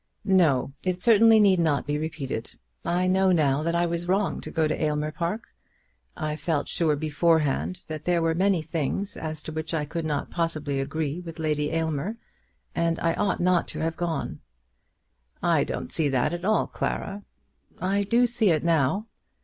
"No; it certainty need not be repeated. I know now that I was wrong to go to Aylmer Park. I felt sure beforehand that there were many things as to which I could not possibly agree with Lady Aylmer, and I ought not to have gone." "I don't see that at all, Clara." "I do see it now."